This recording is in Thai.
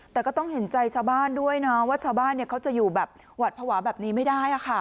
แต่ก็ต้องเห็นใจชาวบ้านด้วยนะว่าชาวบ้านเขาจะอยู่แบบหวัดภาวะแบบนี้ไม่ได้